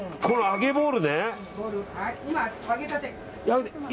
この揚げボールね。